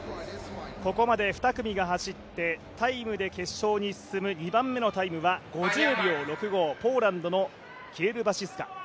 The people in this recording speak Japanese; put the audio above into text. ここまで２組が走ってタイムで決勝が進む２番目のタイムは５０秒６５、ポーランドのキエルバシスカ。